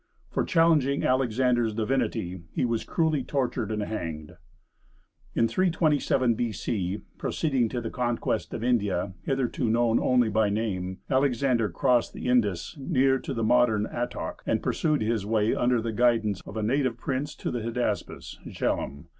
For challenging Alexander's divinity, he was cruelly tortured and hanged. In 327 B.C., proceeding to the conquest of India, hitherto known only by name, Alexander crossed the Indus near to the modern Attock, and pursued his way under the guidance of a native prince to the Hydaspes (Jhelum).